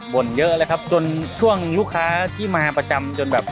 ่นเยอะเลยครับจนช่วงหนึ่งลูกค้าที่มาประจำจนแบบ